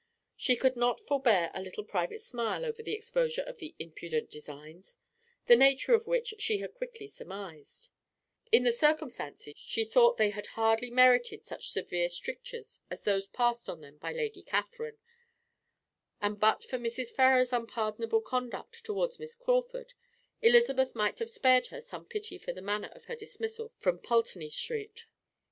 She could not forbear a little private smile over the exposure of the "impudent designs," the nature of which she had quickly surmised; in the circumstances she thought they had hardly merited such severe strictures as those passed on them by Lady Catherine, and but for Mrs. Ferrars's unpardonable conduct towards Miss Crawford, Elizabeth might have spared her some pity for the manner of her dismissal from Pulteney Street.